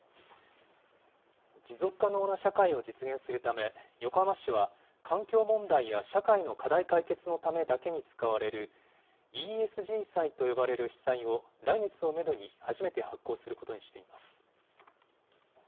持続可能な社会を実現するため、横浜市は、環境問題や社会の課題解決のためだけに使われるＥＳＧ債と呼ばれる市債を来月をメドに初めて発行することにしています。